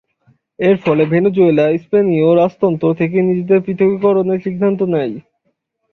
এরফলে ভেনেজুয়েলা স্পেনীয় রাজতন্ত্র থেকে নিজেদেরকে পৃথকীকরণের সিদ্ধান্ত নেয়।